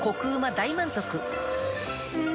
大満足うん！